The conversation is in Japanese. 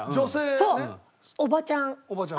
そうおばちゃん。